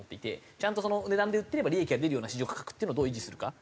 ちゃんとその値段で売ってれば利益が出るような市場価格っていうのをどう維持するか。